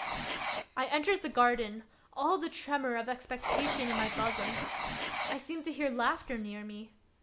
I entered the garden, all the tremor of expec tation in my bosom. I seemed to hear laughter near me.